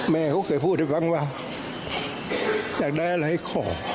แม่เคยพูดบ้างว่าอยากได้อะไรขอ